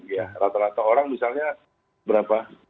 ya rata rata orang misalnya berapa